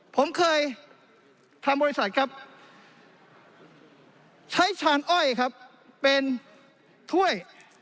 ผมเคยทำบริษัทใช้ชานอ้อยเป็นถ้วย